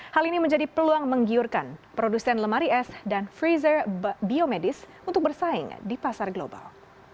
hal ini menjadi peluang menggiurkan produsen lemari es dan freezer biomedis untuk bersaing di pasar global